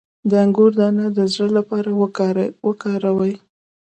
د انګور دانه د زړه لپاره وکاروئ